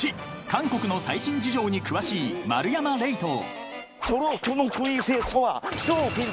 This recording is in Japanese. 韓国の最新事情に詳しい丸山礼と］